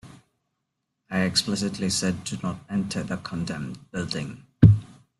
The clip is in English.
I explicitly said do not enter the condemned building.